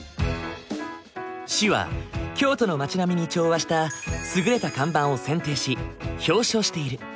市は京都の町並みに調和した優れた看板を選定し表彰している。